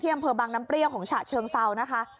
อำเภอบางน้ำเปรี้ยวของฉะเชิงเซานะคะ